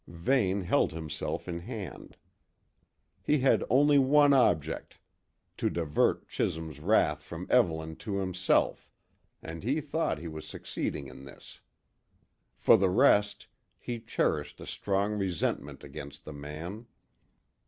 Vane held himself in hand. He had only one object: to divert Chisholm's wrath from Evelyn to himself and he thought he was succeeding in this. For the rest, he cherished a strong resentment against the man.